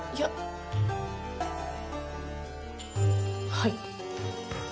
はい。